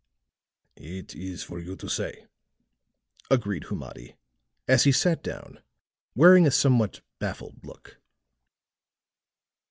"It is for you to say," agreed Humadi, as he sat down, wearing a somewhat baffled look.